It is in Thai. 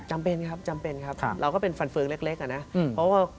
จำเป็นครับจำเป็นครับเราก็เป็นฝันฟื้องเล็กอะนะ